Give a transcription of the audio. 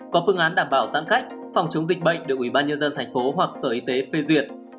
có phương án đảm bảo tạm cách phòng chống dịch bệnh được ubnd tp hoặc sở y tế phê duyệt